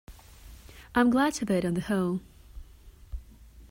I am glad of it on the whole.